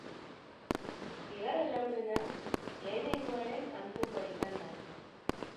Bigarren laurdena, lehenegoaren antzekoa izan da.